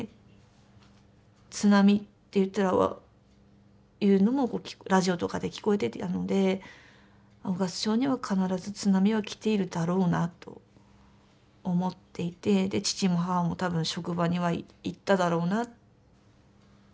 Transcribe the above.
津波って言うのがラジオとかで聞こえてたので雄勝町には必ず津波は来ているだろうなと思っていて父も母も多分職場には行っただろうな。